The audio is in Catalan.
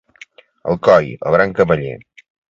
Alcoi, el gran cavaller.